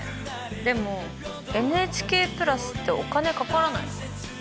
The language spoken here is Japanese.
でもＮＨＫプラスってお金かからないの？